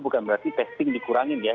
bukan berarti testing dikurangin ya